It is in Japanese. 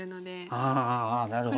ああなるほど。